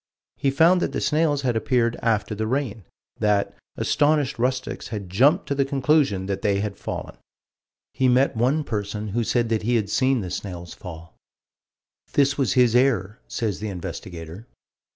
He found that the snails had appeared after the rain: that "astonished rustics had jumped to the conclusion that they had fallen." He met one person who said that he had seen the snails fall. "This was his error," says the investigator.